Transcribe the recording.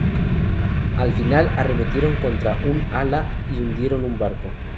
Al final arremetieron contra un ala y hundieron un barco.